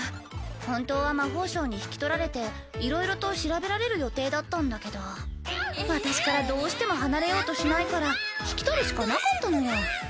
本当は魔法省に引き取られていろいろと調べられる予定だったんだけど私からどうしても離れようとしないから引き取るしかなかったのよ。